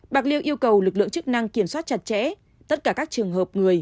bạc liêu yêu cầu lực lượng chức năng kiểm soát chặt chẽ tất cả các trường hợp người